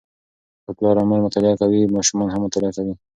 که پلار او مور مطالعه کوي، ماشومان هم مطالعه کوي.